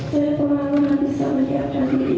saya perlahan lahan bisa menyiapkan diri